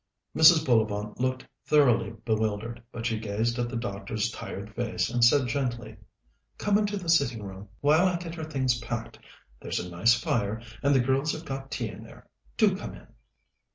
Mrs. Bullivant looked thoroughly bewildered, but she gazed at the doctor's tired face, and said gently: "Come into the sitting room while I get her things packed. There's a nice fire, and the girls have got tea in there. Do come in."